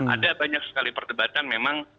ada banyak sekali perdebatan memang